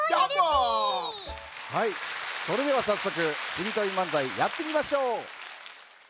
はいそれではさっそくしりとりまんざいやってみましょう！